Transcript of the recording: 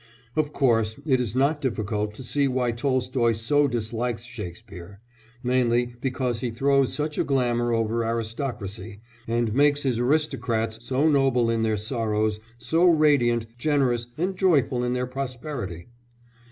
Of course, it is not difficult to see why Tolstoy so dislikes Shakespeare mainly because he throws such a glamour over aristocracy, and makes his aristocrats so noble in their sorrows, so radiant, generous, and joyful in their prosperity.